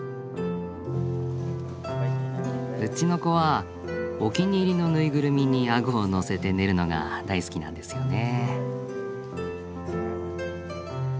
うちの子はお気に入りの縫いぐるみにあごをのせて寝るのが大好きなんですよね。